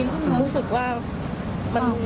มันรู้สึกว่ามัน